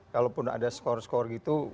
kalaupun ada skor skor gitu